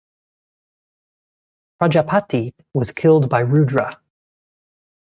Prajapati was killed by Rudra.